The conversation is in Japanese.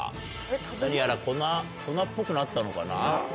何やら粉粉っぽくなったのかな。